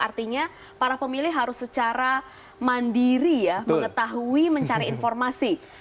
artinya para pemilih harus secara mandiri ya mengetahui mencari informasi